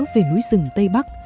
về núi rừng tây bắc